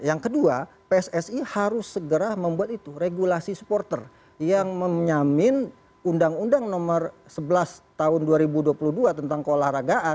yang kedua pssi harus segera membuat itu regulasi supporter yang menyamin undang undang nomor sebelas tahun dua ribu dua puluh dua tentang keolahragaan